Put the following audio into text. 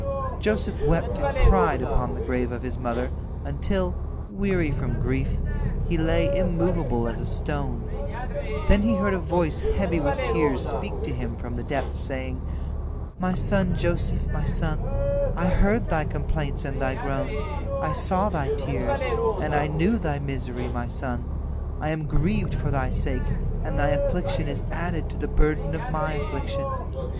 Joseph wept and cried upon the grave of his mother, until, weary from grief, he lay immovable as a stone. Then he heard a voice heavy with tears speak to him from the depths, saying: "My son Joseph, my son, I heard thy complaints and thy groans, I saw thy tears, and I knew thy misery, my son. I am grieved for thy sake, and thy affliction is added to the burden of my affliction.